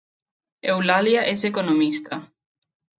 Eulàlia és economista